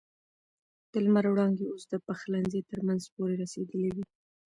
د لمر وړانګې اوس د پخلنځي تر منځه پورې رسېدلې وې.